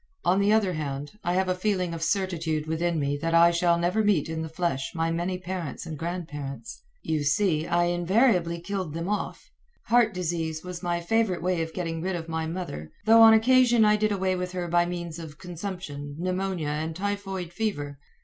On the other hand, I have a feeling of certitude within me that I shall never meet in the flesh my many parents and grandparents you see, I invariably killed them off. Heart disease was my favorite way of getting rid of my mother, though on occasion I did away with her by means of consumption, pneumonia, and typhoid fever.